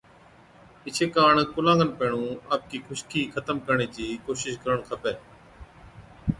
ايڇي ڪاڻ ڪُلان کن پيهڻُون آپڪِي خُشڪِي نُون ختم ڪرڻي چِي ڪوشش ڪرڻ کپَي۔